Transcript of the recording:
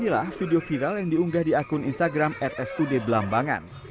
inilah video viral yang diunggah di akun instagram rsud belambangan